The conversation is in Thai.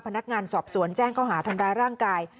พนักงานสอบสวนแจ้งเขาหาทำร้ายร่างกาย